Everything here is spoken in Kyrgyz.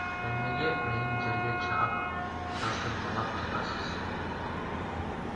Эмнеге мени жерге чаап, басмырлап жатасыз?